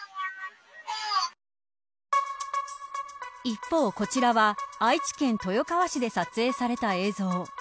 一方、こちらは愛知県豊川市で撮影された映像。